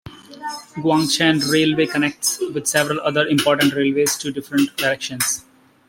Guangshen Railway connects with several other important railways to different directions.